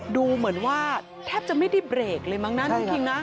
ดูเหมือนว่าแทบจะไม่ได้เบรกเลยมั้งนะน้องคิงนะ